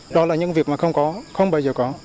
đó là những việc mà không có không bao giờ có